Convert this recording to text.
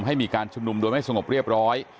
ให้มีการชุมนุมโดยไม่สงบเรียบร้อย